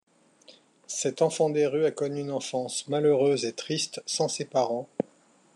Cet enfant des rues a connu une enfance malheureuse et triste sans ses parents.